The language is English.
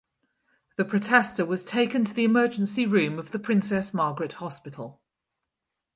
The protester was taken to the emergency room of the Princess Margaret Hospital.